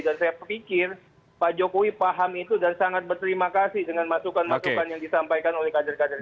dan saya pikir pak jokowi paham itu dan sangat berterima kasih dengan masukan masukan yang disampaikan oleh kader kader